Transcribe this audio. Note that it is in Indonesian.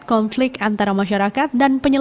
konflik antara masyarakat dan penyelenggara